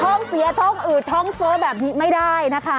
ท้องเสียท้องอืดท้องเฟ้อแบบนี้ไม่ได้นะคะ